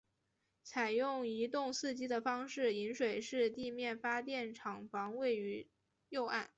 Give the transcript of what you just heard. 采用一洞四机的方式引水式地面发电厂房位于右岸。